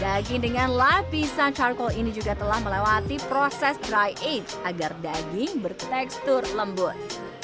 daging dengan lapisan charcoal ini juga telah melewati proses dry age agar daging bertekstur lembut